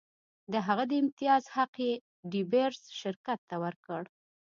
د هغه د امتیاز حق یې ډي بیرز شرکت ته ورکړ.